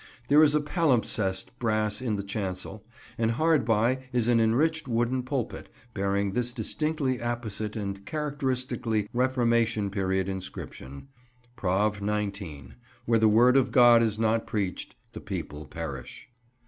There is a palimpsest brass in the chancel, and hard by is an enriched wooden pulpit, bearing this distinctly apposite and characteristically Reformation period inscription: "Prov. 19. Wher the word of God is not preached, the people perish."